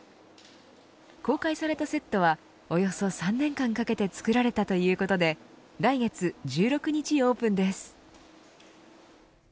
公開されたセットはおよそ３年間かけて作られたということで来月１６日オープンです。